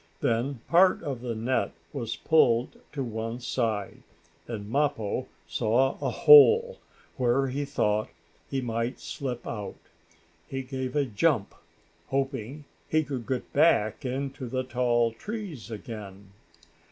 Then part of the net was pulled to one side, and Mappo saw a hole where he thought he might slip out. He gave a jump, hoping he could get back into the tall trees again.